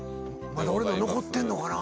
まだ俺の残ってんのかな？